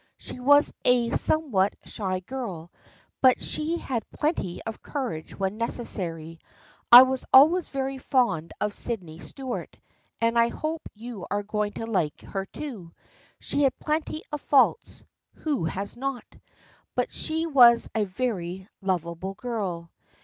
She was a somewhat shy girl, but she had plenty of courage when necessary. I was always very fond of Sydney Stuart, and I hope you are going to like her too. She had plenty of faults — who has not ?— but she was a very lovable girl.